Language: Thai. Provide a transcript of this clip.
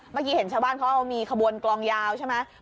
เมื่อกี้เห็นชาวบ้านเขามีขบวนกลองยาวใช่ไหม